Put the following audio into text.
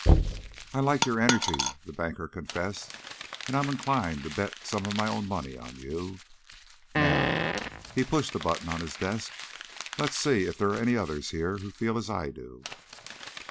"I like your energy," the banker confessed, "and I'm inclined to bet some of my own money on you. Now" he pushed a button on his desk "let's see if there are any others here who feel as I do."